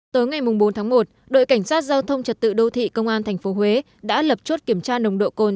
tối ngày bốn tháng một đội cảnh sát giao thông trật tự đô thị công an tp huế đã lập chốt kiểm tra nồng độ cồn